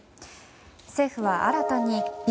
政府は、新たにＢＡ．